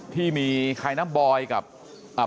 ที่มีคลณิเบากับอ่า